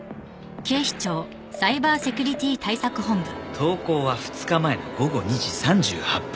投稿は２日前の午後２時３８分。